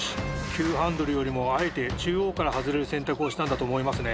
急ハンドルよりもあえて中央から外れる選択をしたんだと思いますね。